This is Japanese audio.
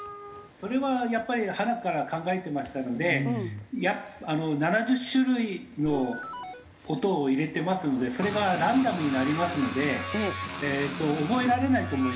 それはやっぱりはなから考えてましたので約７０種類の音を入れてますのでそれがランダムに鳴りますのでえーと覚えられないと思いますね。